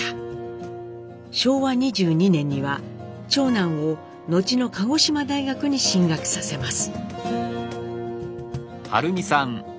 昭和２２年には長男を後の鹿児島大学に進学させます。